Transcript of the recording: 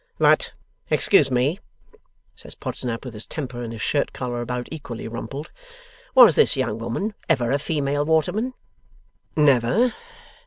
'But, excuse me,' says Podsnap, with his temper and his shirt collar about equally rumpled; 'was this young woman ever a female waterman?' 'Never.